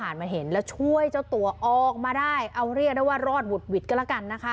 นะครับช่วยเจ้าตัวออกมาได้เอาเรียกได้ว่ารอดวุฒิบอุ่นแบบนี้แหละค่ะ